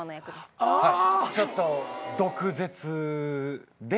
ちょっと毒舌で。